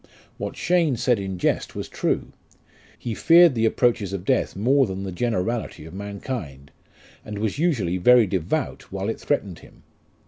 What Cheyne said in jest was true ; he feared the approaches of death more than the generality of mankind, and was usually very devout while it threatened him.